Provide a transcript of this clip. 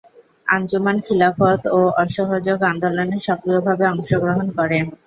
আঞ্জুমান খিলাফত ও অসহযোগ আন্দোলনে সক্রিয়ভাবে অংশগ্রহণ করে।